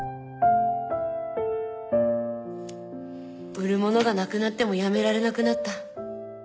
売る物がなくなってもやめられなくなった。